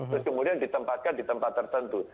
terus kemudian ditempatkan di tempat tertentu